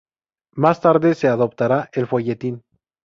Más tarde se adoptará el folletín.